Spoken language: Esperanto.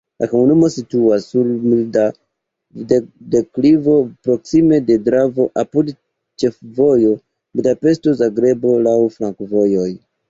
La komunumo situas sur mildaj deklivoj, proksime de Dravo, apud ĉefvojo Budapeŝto-Zagrebo, laŭ flankovojoj.